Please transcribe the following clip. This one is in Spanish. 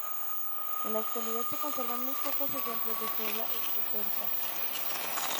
En la actualidad se conservan muy pocos ejemplos de su obra escultórica.